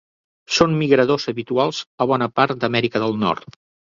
Són migradors habituals a bona part d'Amèrica del Nord.